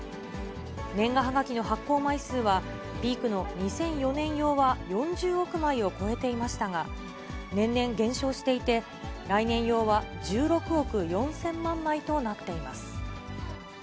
年賀はがきの発行枚数は、ピークの２００４年用は４０億枚を超えていましたが、年々減少していて、来年用は１６億４０００万枚となっています。